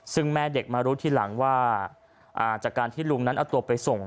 ซึ่งแม่เด็กมารู้ทีหลังว่าจากการที่ลุงนั้นเอาตัวไปส่ง